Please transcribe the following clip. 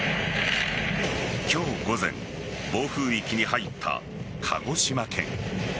今日午前暴風域に入った鹿児島県。